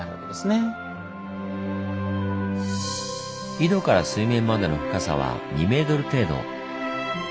井戸から水面までの深さは２ｍ程度。